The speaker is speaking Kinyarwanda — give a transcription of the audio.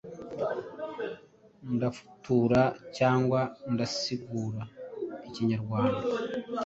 ndafutura cyangwa ndasigura ikinyarwanda